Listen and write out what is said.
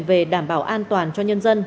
về đảm bảo an toàn cho nhân dân